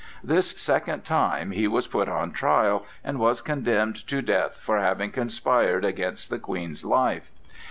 This second time he was put on trial, and was condemned to death for having conspired against the Queen's life.